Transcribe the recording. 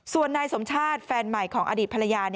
ส่วนนายสมชาติแฟนใหม่ของอดีตภรรยา